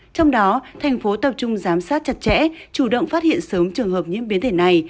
trong đó thành phố tập trung giám sát chặt chẽ chủ động phát hiện sớm trường hợp nhiễm biến thể này